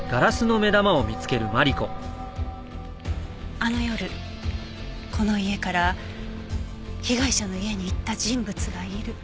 あの夜この家から被害者の家に行った人物がいる。